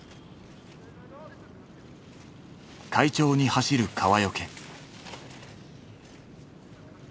快調に走る川除。